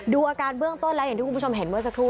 อาการเบื้องต้นแล้วอย่างที่คุณผู้ชมเห็นเมื่อสักครู่